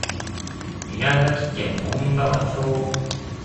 宮崎県門川町